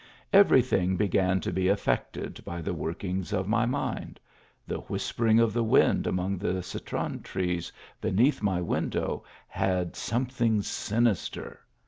Every thing began to be af fected by the workings of my mind. The whisper ing of the wind among the citron trees beneath my window had something sinister.